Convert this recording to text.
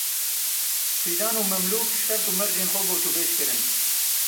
Fîdan û Memlûk şert û mercên xwe gotûbêj kirin.